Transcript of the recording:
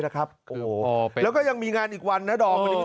แล้วก็ยังมีงานอีกวันนะดอม